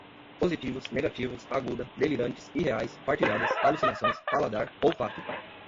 positivos, negativos, aguda, delirantes, irreais, partilhadas, alucinações, paladar, olfato